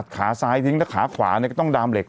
ขาซ้ายทิ้งถ้าขาขวาเนี่ยก็ต้องดามเหล็ก